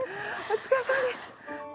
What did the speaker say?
お疲れさまです。